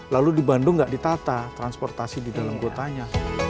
lalu di bandung nggak ditata transportasi di dalam kotanya